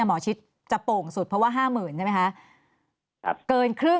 หมอชิดจะโป่งสุดเพราะว่า๕๐๐๐ใช่ไหมคะ